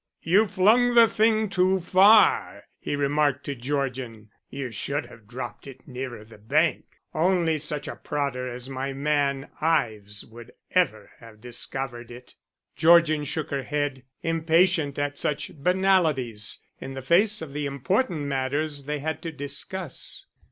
You flung the thing too far," he remarked to Georgian. "You should have dropped it nearer the bank. Only such a prodder as my man Ives would ever have discovered it." Georgian shook her head, impatient at such banalities, in the face of the important matters they had to discuss.